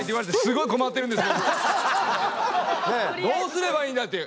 どうすればいいんだって。